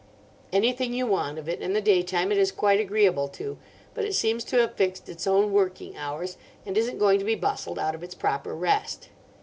Anything you want of it in the daytime it is quite agreeable to. But it seems to have fixed its own working hours, and isn't going to be bustled out of its proper rest.